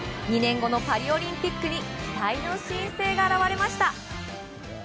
２年後のパリオリンピックに期待の新星が現れました。